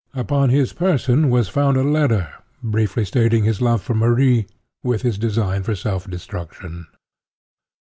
Upon his person was found a letter, briefly stating his love for Marie, with his design of self destruction.